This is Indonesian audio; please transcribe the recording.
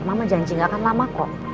mama janji gak akan lama kok